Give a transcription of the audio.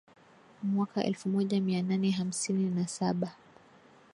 Mwaka elfu moja mia nane hamsini na saba